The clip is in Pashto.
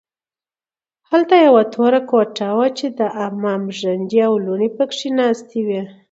هلته یوه توره کوټه وه چې د عمه نګورانې او لوڼې پکې ناستې وې